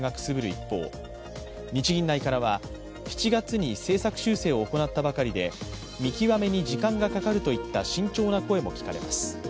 一方、日銀内からは７月に政策修正を行ったばかりで見極めに時間がかかるといった慎重な声も聞かれます。